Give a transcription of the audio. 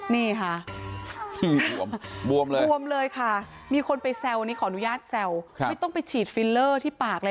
นี่ค่ะมีคนไปแซวขออนุญาตแซวไม่ต้องไปฉีดฟิลเลอร์ที่ปากเลย